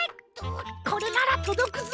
これならとどくぞ。